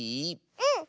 うん！